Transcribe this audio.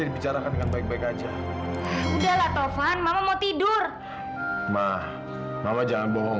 dibicarakan dengan baik baik aja udahlah tovan mama mau tidur mah mama jangan bohong